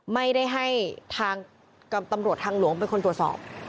ไม่ได้ให้ทางตำรวจทางหลวงเป็นคนตรวจสอบ